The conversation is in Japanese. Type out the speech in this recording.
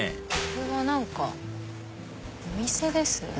ここは何かお店ですよね。